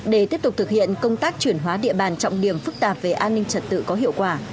để tiếp tục thực hiện công tác chuyển hóa địa bàn trọng điểm phức tạp về an ninh trật tự có hiệu quả